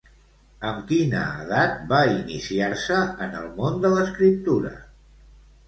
Amb quina edat va iniciar-se en el món de l'escriptura?